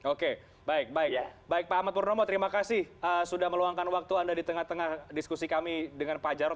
oke baik baik pak ahmad purnomo terima kasih sudah meluangkan waktu anda di tengah tengah diskusi kami dengan pak jarod